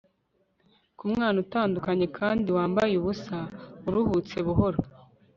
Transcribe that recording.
ku mwana utanduye kandi wambaye ubusa, uruhutse buhoro